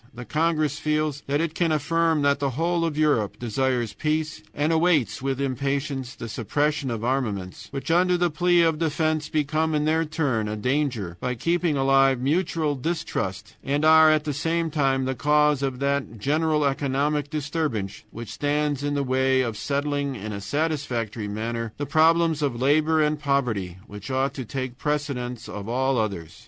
The congress feels that it can affirm that the whole of Europe desires peace, and awaits with impatience the suppression of armaments, which, under the plea of defense, become in their turn a danger by keeping alive mutual distrust, and are, at the same time, the cause of that general economic disturbance which stands in the way of settling in a satisfactory manner the problems of labor and poverty, which ought to take precedence of all others.